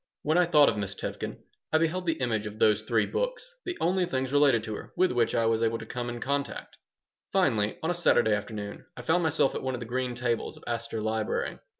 Whenever I thought of Miss Tevkin I beheld the image of those three books the only things related to her with which I was able to come in contact Finally, on a Saturday afternoon, I found myself at one of the green tables of Astor Library.